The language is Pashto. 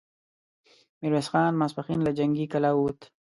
ميرويس خان ماسپښين له جنګي کلا ووت،